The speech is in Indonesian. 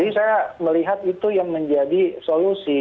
jadi saya melihat itu yang menjadi solusi